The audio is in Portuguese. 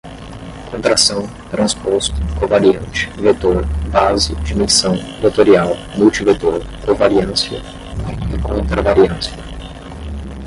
contração, transposto, covariante, vetor, base, dimensão, vetorial, multivetor, covariância e contravariância